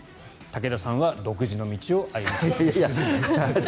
武田さんは独自の道を歩み。